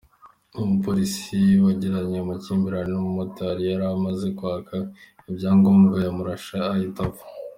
Umupolisi wagiranye amakimbirane n’umumotari yari amaze kwaka ibyangombwa, yamurashe ahita apfa.